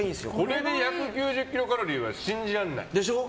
これで１９０カロリーは信じられない。